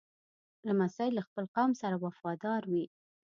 لمسی له خپل قوم سره وفادار وي.